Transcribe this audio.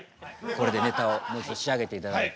これでネタを仕上げていただいて。